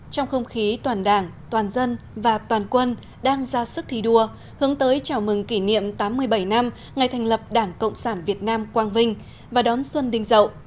trong không khí toàn đảng toàn dân và toàn quân đang ra sức thi đua hướng tới chào mừng kỷ niệm tám mươi bảy năm ngày thành lập đảng cộng sản việt nam quang vinh và đón xuân đình dậu